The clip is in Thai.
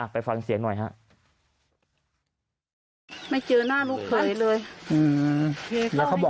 ไปฟังเสียงหน่อยครับ